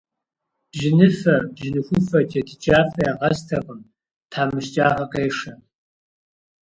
Бжьыныфэ, бжьыныхуфэ, джэдыкӏафэ ягъэстэкъым, тхьэмыщкӏагъэ къешэ.